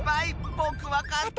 ぼくわかった。